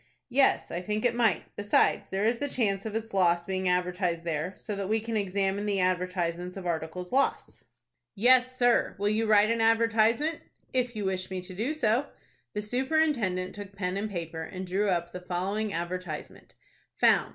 "Yes, I think it might. Besides, there is the chance of its loss being advertised there, so that we can examine the advertisements of articles lost." "Yes, sir; will you write an advertisement?" "If you wish me to do so." The superintendent took pen and paper, and drew up the following advertisement:— "FOUND.